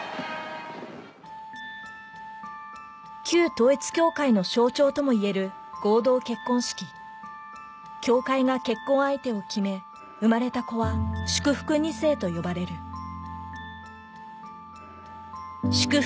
統一教会の象徴ともいえる教会が結婚相手を決め生まれた子は祝福２世と呼ばれる祝福